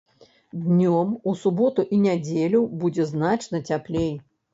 Днём у суботу і нядзелю будзе значна цяплей.